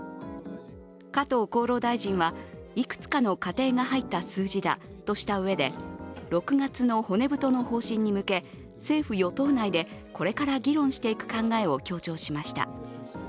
加藤厚労大臣はいくつかの仮定が入った数字だとしたうえで、６月の骨太の方針に向け、政府・与党内でこれから議論していく考えを強調しました。